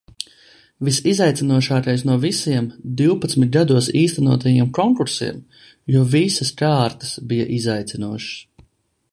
Visizaicinošākais no visiem divpadsmit gados īstenotajiem konkursiem, jo visas kārtas bija izaicinošas.